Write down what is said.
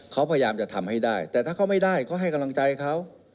เขาพยายามจะทำให้ได้แต่ถ้าเขาไม่ได้เขาให้กำลังใจเขา